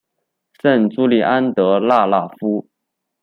圣朱利安德拉讷夫。